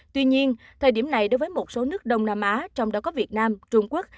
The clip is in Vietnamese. tuy nhiên thời điểm này đối với một số nước đông nam á trong đó có việt nam trung quốc